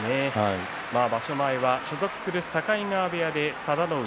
場所前は所属する境川部屋で佐田の海